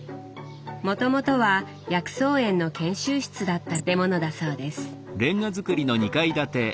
もともとは薬草園の研修室だった建物だそうです。